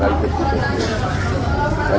selamat sore pak denny salam pak hotman